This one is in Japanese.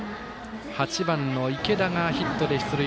８番の池田がヒットで出塁。